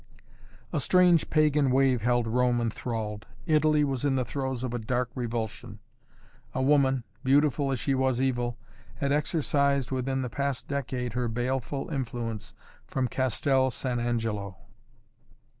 A strange pagan wave held Rome enthralled. Italy was in the throes of a dark revulsion. A woman, beautiful as she was evil, had exercised within the past decade her baleful influence from Castel San Angelo.